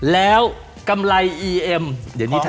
แล้วกำไรอีก